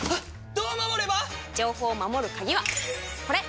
どう守れば⁉情報を守る鍵はこれ！